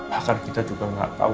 bahkan kita juga nggak tahu